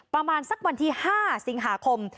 ประมาณสักวันที่๕สิงหาคม